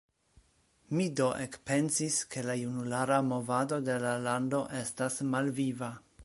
Mi do ekpensis, ke la junulara movado de la lando estas malviva.